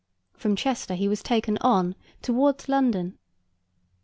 From Chester he was taken on towards London.